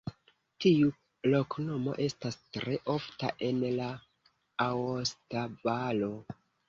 Tiu loknomo estas tre ofta en la Aosta Valo.